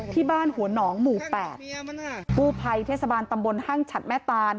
ที่บ้านหัวหนองหมูแบบเซศบาลตำบนห้างฉันแม่ตาล